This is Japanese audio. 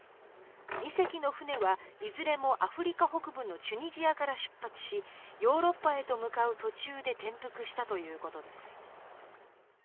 ２隻の船は、いずれもアフリカ北部のチュニジアから出発しヨーロッパへと向かう途中で転覆したということです。